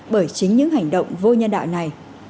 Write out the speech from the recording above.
bởi chính những hành động vô nhân đạo này